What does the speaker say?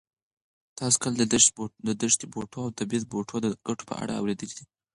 تاسو کله د دښتي بوټو او طبي بوټو د ګټو په اړه اورېدلي دي؟